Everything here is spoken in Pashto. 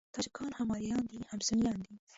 تاجکان هم آریایان دي او هم سنيان دي.